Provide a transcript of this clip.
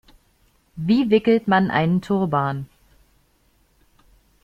Wie wickelt man einen Turban?